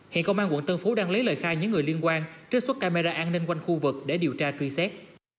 hiện công an quận tân phú đang lấy lời khai những người liên quan trích xuất camera an ninh quanh khu vực để điều tra truy xét